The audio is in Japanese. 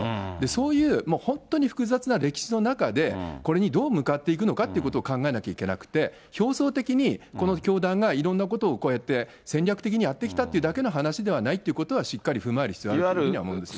そういう、もう本当に複雑な歴史の中で、これにどう向かっていくのかということを考えなきゃいけなくて、表層的にこの教団がいろんなことをこうやって戦略的にやってきたってだけの話ではないということは、しっかり踏まえる必要があるというふうには思いますね。